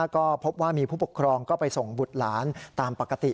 ก็พบว่ามีผู้ปกครองก็ไปส่งบุตรหลานตามปกติ